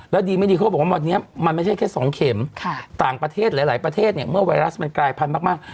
แล้วดีไม่ดีเขาบอกว่าวันนี้มันไม่ใช่แค่๒เข็มต่างประเทศหลายประเทศเนี่ยเมื่อไวรัสมันกลายพันธุ์มาก